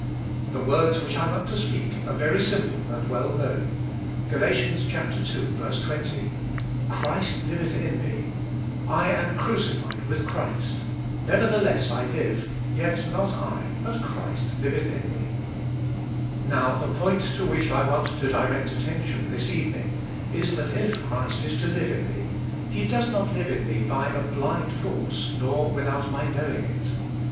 The words which I want to speak are very simple and well known. Gal. 2: 20. "Christ liveth in me. I am crucified with Christ, 144 THK SPIRITUAI, LIFE. nevertheless I live, yet not I, but Christ liveth in me." Now, the point to which I want to direct at tention, this evening , is that if Christ is to live in me He does not live in me by a blind force, nor without my knowing it.